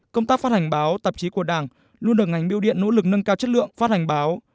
công tác phát hành báo tạp chí của đảng luôn được ngành biêu điện nỗ lực nâng cao chất lượng phát hành báo